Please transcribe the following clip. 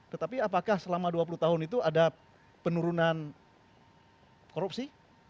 tetapi apakah selama dua puluh tahun itu ada penurunan korupsi